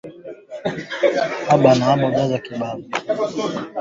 Mkulima anatakiwa kufanya maamuzi kama atataka kutumia dalali